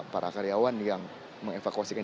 para karyawan yang mengevakuasikan